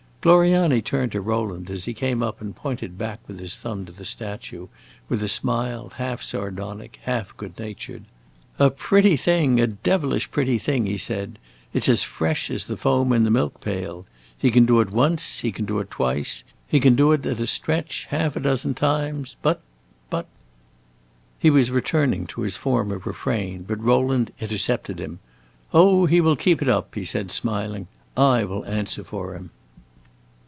Gloriani turned to Rowland as he came up, and pointed back with his thumb to the statue, with a smile half sardonic, half good natured. "A pretty thing a devilish pretty thing," he said. "It 's as fresh as the foam in the milk pail. He can do it once, he can do it twice, he can do it at a stretch half a dozen times. But but " He was returning to his former refrain, but Rowland intercepted him. "Oh, he will keep it up," he said, smiling, "I will answer for him."